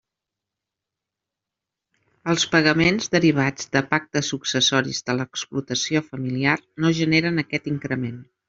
Els pagaments derivats de pactes successoris de l'explotació familiar no generen aquest increment.